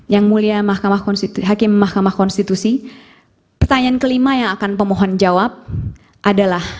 yang mulia mahkamah konstitusi hakim mahkamah konstitusi pertanyaan kelima yang akan pemohon jawab adalah